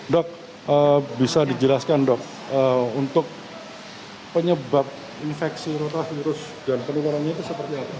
dok bisa dijelaskan dok untuk penyebab infeksi coronavirus dan penularannya itu seperti apa